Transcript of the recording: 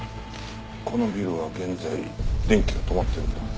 このビルは現在電気が止まってるんだ。